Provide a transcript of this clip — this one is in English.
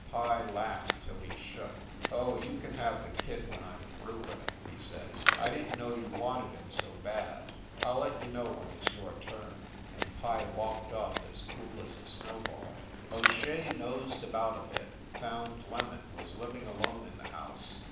Pye laughed till he shook. "Oh, you can have the kid when I m through with him," he said. "I didn t know you wanted him so bad. I ll let you know when it s your turn." And Pye walked off as cool as a snowball. O Shea nosed about a bit; found "Lemon" was living alone in the house.